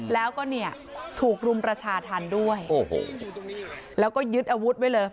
แล้วก็เนี่ยถูกรุมประชาธรรมด้วยโอ้โหแล้วก็ยึดอาวุธไว้เลย